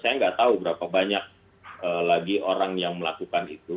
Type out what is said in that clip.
saya nggak tahu berapa banyak lagi orang yang melakukan itu